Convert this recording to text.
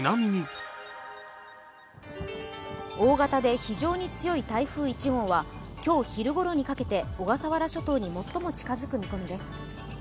大型で非常に強い台風１号は今日昼頃にかけて小笠原諸島に最も近づく見込みです。